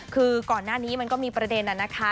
คือก่อนหน้านี้มันก็มีประเด็นนะคะ